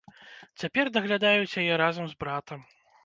Цяпер даглядаюць яе разам з братам.